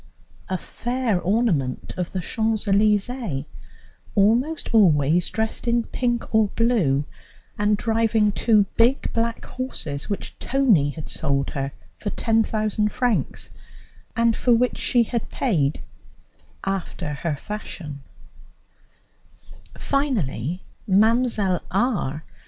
a fair ornament of the Champs Elysées, almost always dressed in pink or blue, and driving two big black horses which Tony had sold her for 10,000 francs, and for which she had paid, after her fashion; finally, Mlle. R.